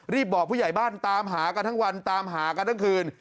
บอกผู้ใหญ่บ้านตามหากันทั้งวันตามหากันทั้งคืน